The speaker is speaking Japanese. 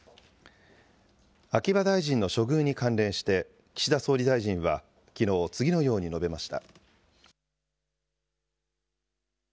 秋葉大臣の処遇に関連して岸田総理大臣はきのう、次のように述べました。